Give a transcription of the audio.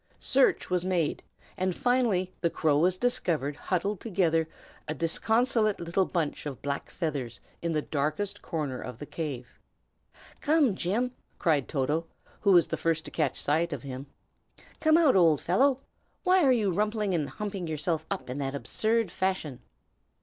Search was made, and finally the crow was discovered huddled together, a disconsolate little bunch of black feathers, in the darkest corner of the cave. "Come, Jim!" cried Toto, who was the first to catch sight of him. "Come out, old fellow! Why are you rumpling and humping yourself up in that absurd fashion?"